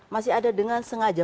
masih ada dengan sengaja